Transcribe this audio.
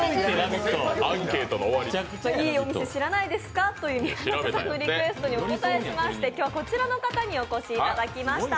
いいお店知らないですかという宮舘さんのリクエストにお応えして、今日はこちらの方にお越しいただきました。